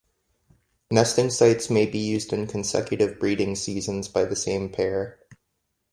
Nesting sites may be used in consecutive breeding seasons by the same pair.